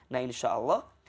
nah insya allah